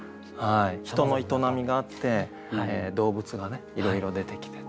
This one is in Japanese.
人の営みがあって動物がねいろいろ出てきて。